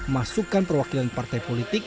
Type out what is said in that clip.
masukkan perwakilan partai politik